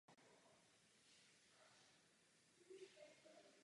To už se samozřejně týká metod.